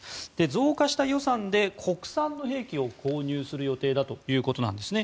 増加した予算で国産の兵器を購入する予定だということなんですね。